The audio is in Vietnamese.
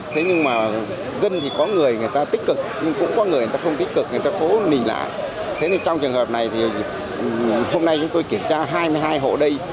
trong trường hợp này hôm nay chúng tôi kiểm tra hai mươi hai hộ đây